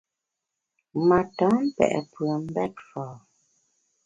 Ma tam pe’ pùem mbèt fa’.